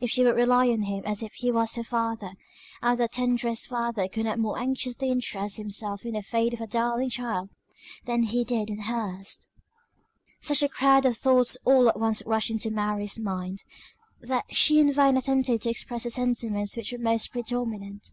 If she would rely on him as if he was her father; and that the tenderest father could not more anxiously interest himself in the fate of a darling child, than he did in her's." Such a crowd of thoughts all at once rushed into Mary's mind, that she in vain attempted to express the sentiments which were most predominant.